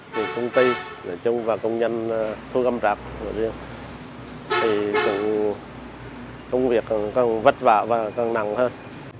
vì công ty về chung và công nhân thu gâm rạc thì công việc còn vất vả và càng nặng hơn